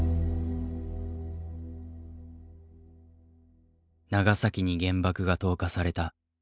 長崎に原爆が投下されたその日。